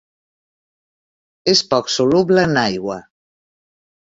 És poc soluble en aigua.